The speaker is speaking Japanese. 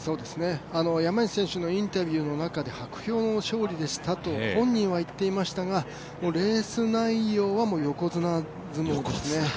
山西選手のインタビューの中で薄氷の勝利でしたと本人は言っていましたが、レース内容は横綱相撲でしたね。